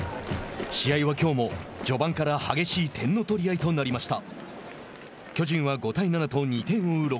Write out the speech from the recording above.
きょうは最後まで試合はきょうも序盤から激しい点の取り合いとなりました。